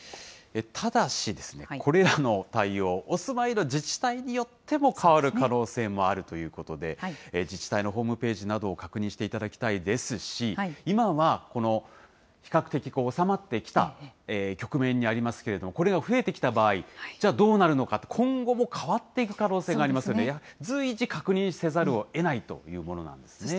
ただしですね、これらの対応、お住まいの自治体によっても変わる可能性もあるということで、自治体のホームページなどを確認していただきたいですし、今は比較的収まってきた局面にありますけれども、これが増えてきた場合、じゃあどうなるのかって、今後も変わっていく可能性がありますので、随時確認せざるをえないというものなんですね。